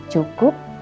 dan asi yang cukup